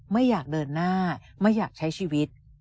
ไม่อยากเดินหน้าไม่อยากใช้ชีวิต